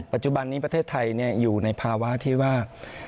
ปัจจุบันนี้ประเทศไทยอยู่ในภาวะที่ว่า